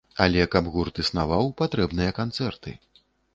Але каб гурт існаваў, патрэбныя канцэрты.